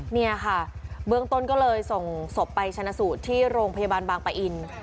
เนี่ยค่ะเบื้องต้นก็เลยส่งศพไปชนะสูตรที่โรงพยาบาลบางปะอิน